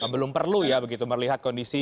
belum perlu ya begitu melihat kondisi